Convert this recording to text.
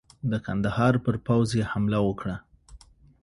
د کندهار پر پوځ یې حمله وکړه.